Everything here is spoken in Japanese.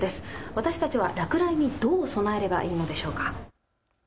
私たちは落雷にどう備えればいいのでしょうか。